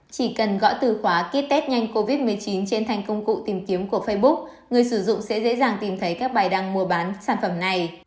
chỉ cần gõ từ khóa ký test nhanh covid một mươi chín trên thành công cụ tìm kiếm của facebook người sử dụng sẽ dễ dàng tìm thấy các bài đăng mua bán sản phẩm này